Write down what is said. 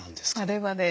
あれはね